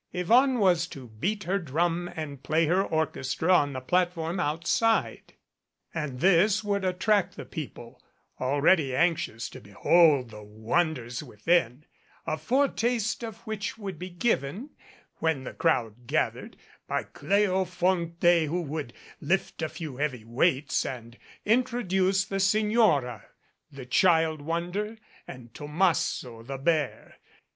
Yvonne was to beat her drum and play her orchestra on the platform outside, and this would attract the people, already anxious to behold the wonders within, a foretaste of which would be given, when the crowd gath ered, by Cleofonte, who would lift a few heavy weights and introduce the Signora, the Child Wonder, and To masso, the bear.